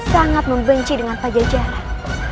sangat membenci dengan pajajaran